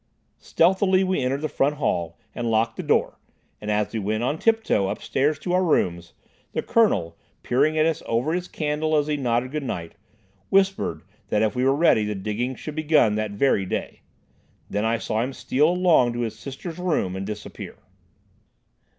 Stealthily we entered the front hall and locked the door, and as we went on tiptoe upstairs to our rooms, the Colonel, peering at us over his candle as he nodded good night, whispered that if we were ready the digging should be begun that very day. Then I saw him steal along to his sister's room and disappear.